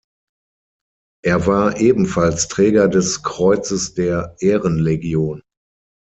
Er war ebenfalls Träger des Kreuzes der Ehrenlegion.